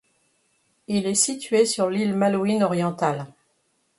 Il est situé sur l'île Malouine orientale.